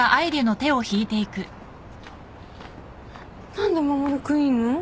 何で守君いんの？